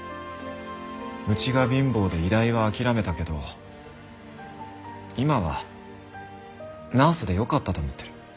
うちが貧乏で医大は諦めたけど今はナースでよかったと思ってる。